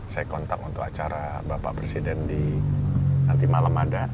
saya kontak untuk acara bapak presiden di nanti malam ada